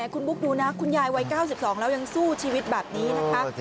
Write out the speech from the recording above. คุณบุ๊คดูนะคุณยายวัย๙๒แล้วยังสู้ชีวิตแบบนี้นะคะ